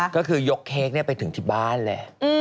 ก็คือยกเค้กไปถึงที่บ้านเลย